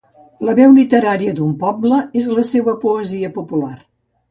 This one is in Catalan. La veu literària d'un poble és la seua poesia popular.